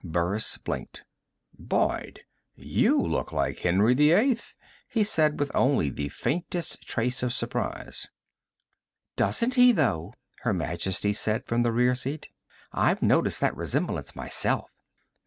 Burris blinked. "Boyd, you look like Henry VIII," he said with only the faintest trace of surprise. "Doesn't he, though?" Her Majesty said from the rear seat. "I've noticed that resemblance myself."